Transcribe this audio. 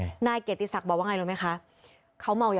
คือเขาเพิ่งจะเสพอยากจะเป็นครับทำไม